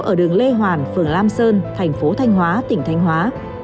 ở đường lê hoàn phường lam sơn thành phố thanh hóa tỉnh thanh hóa